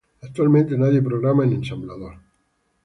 Actualmente nadie programa en ensamblador